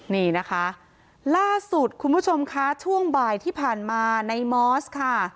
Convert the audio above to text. นี่นะคะล่าสุดคุณผู้ชมคะช่วงบ่ายที่ผ่านมาในมอสค่ะ